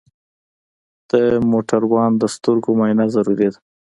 د موټروان د سترګو معاینه ضروري ده.